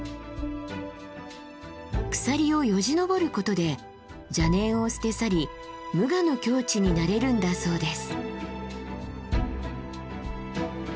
鎖をよじ登ることで邪念を捨て去り無我の境地になれるんだそうです。